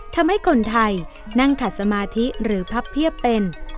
ทำให้คนไทยนั่งขัดสมาธิหรือพับเพียบเป็น